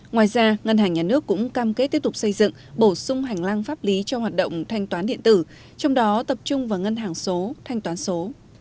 ngoài ra ngân hàng nhà nước cũng cam kết tiếp tục xây dựng bổ sung hành lang pháp lý cho hoạt động thanh toán điện tử trong đó tập trung vào ngân hàng số thanh toán số